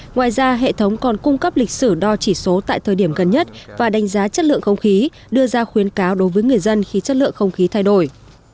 ngoài ra hệ thống còn cung cấp lịch sử đo chỉ số tại thời điểm gần nhất và đánh giá chất lượng không khí đưa ra khuyến cáo đối với người dân khi chất lượng không khí thay đổi